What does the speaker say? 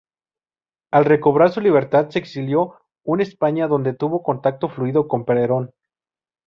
Al recobrar su libertad se exilió en España, donde tuvo contacto fluido con Perón.